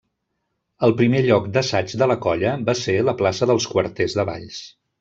El primer lloc d'assaig de la colla va ser la plaça dels Quarters de Valls.